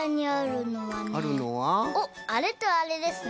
おっあれとあれですね。